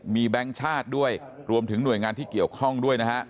มีแบงค์ชาติด้วยรวมถึงหน่วยงานที่เกี่ยวข้องด้วยนะฮะ